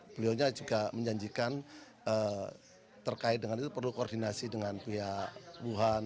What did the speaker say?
beliau juga menjanjikan terkait dengan itu perlu koordinasi dengan pihak wuhan